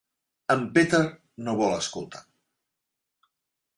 En Peter no vol escoltar.